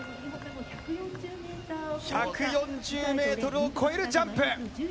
１４０ｍを越えるジャンプ。